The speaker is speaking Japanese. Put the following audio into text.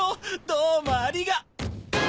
どうもありが。